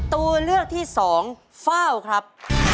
ตัวเลือกที่๒ฟ้าวครับ